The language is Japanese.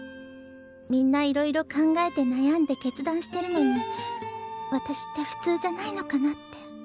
みんないろいろ考えて悩んで決断してるのに私って普通じゃないのかなって。